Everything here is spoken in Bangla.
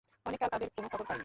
অনেক কাল কাজের কোন খবর পাইনি।